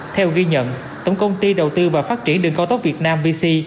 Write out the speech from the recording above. theo ghi nhận tổng công ty đầu tư và phát triển đường cao tốc việt nam vc